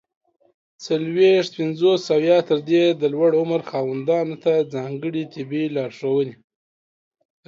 څلوېښت، پنځوس او یا تر دې د لوړ عمر خاوندانو ته ځانګړي طبي لارښووني!